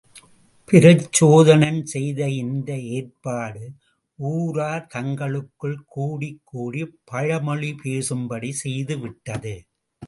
பிரச்சோதனன் செய்த இந்த ஏற்பாடு, ஊரார் தங்களுக்குள் கூடிக் கூடிப் பழிமொழி பேசும்படி செய்துவிட்டது.